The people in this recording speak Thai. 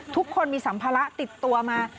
ทุกคนมีสัมภาระติดตัวมา